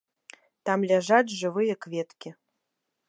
Там ляжаць жывыя кветкі.